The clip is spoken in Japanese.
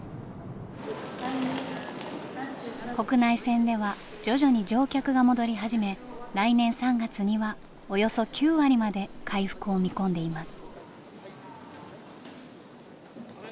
国内線では徐々に乗客が戻り始め来年３月にはおよそ９割まで回復を見込んでいます。